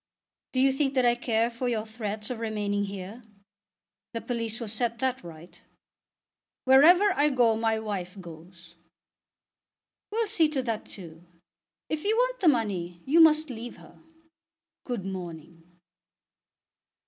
Do you think that I care for your threats of remaining here? The police will set that right." "Wherever I go, my wife goes." "We'll see to that too. If you want the money, you must leave her. Good morning."